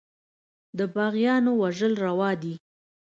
د باغيانو وژل روا دي.